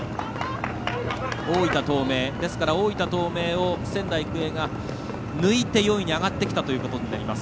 大分東明、ですから大分東明を仙台育英が抜いて４位に上がってきたということになります。